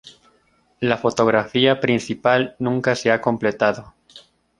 La fotografía principal nunca se ha completado.